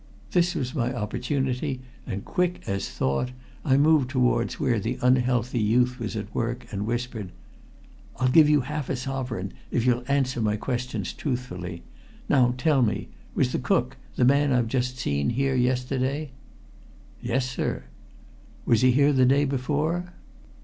This was my opportunity, and quick as thought I moved towards where the unhealthy youth was at work, and whispered: "I'll give you half a sovereign if you'll answer my questions truthfully. Now, tell me, was the cook, the man I've just seen, here yesterday?" "Yes, sir." "Was he here the day before?"